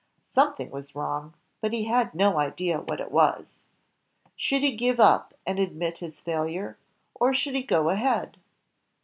Something was wrong, but he had no idea what it was. Should he give up and admit his failure, or should he go ahead?